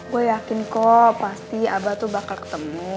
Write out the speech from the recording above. gue yakin kok pasti abah tuh bakal ketemu